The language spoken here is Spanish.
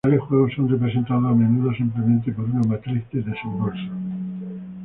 Tales juegos son representados a menudo simplemente por una matriz de desembolsos.